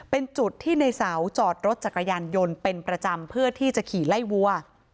เป็นจุดที่ในเสาจอดรถจักรยานยนต์เป็นประจำเพื่อที่จะขี่ไล่วัว